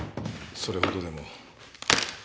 それほどでも。